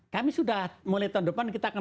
kami sudah mulai tahun depan kita akan